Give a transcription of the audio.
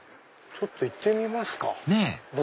行ってみますか節